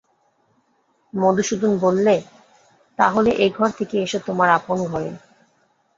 মধুসূদন বললে, তা হলে এ-ঘর থেকে এসো তোমার আপন ঘরে।